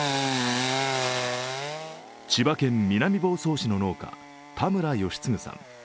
千葉県南房総市の農家、田村善嗣さん。